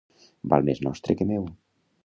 Val més nostre que meu.